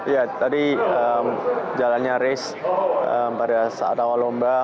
ya tadi jalannya race pada saat awal lomba